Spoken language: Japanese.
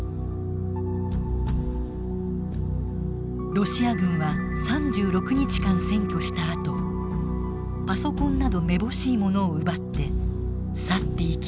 ロシア軍は３６日間占拠したあとパソコンなどめぼしいものを奪って去っていきました。